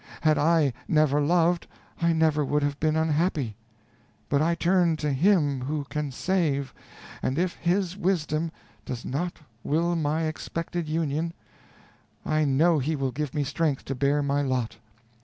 Had I never loved, I never would have been unhappy; but I turn to Him who can save, and if His wisdom does not will my expected union, I know He will give me strength to bear my lot.